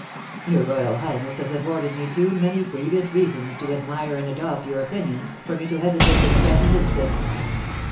"Your royal highness has afforded me too many previous reasons to admire and adopt your opinions for me to hesitate in the present instance."